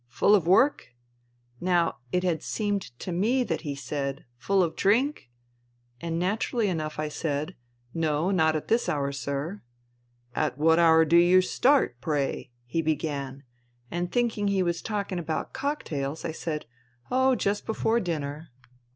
' Full of work ?' Now it had seemed to me that he said ' Full of drink ?' and naturally enough I said, ' No, not at this hour, sir.' ' At what hour do you start, pray ?' he began, and thinking he was talking about cocktails, I said, ' Oh, just before dinner.' ' Hm !